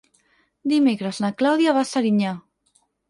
Dimecres na Clàudia va a Serinyà.